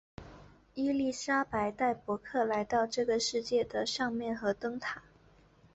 伊丽莎白带伯克来到了这个世界的上面和灯塔。